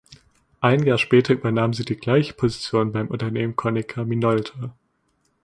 Ein Jahr später übernahm sie die gleiche Position beim Unternehmen Konica Minolta.